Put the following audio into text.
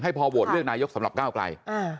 ให้พอโหวตเรียกนายกสำหรับก้าวกลาย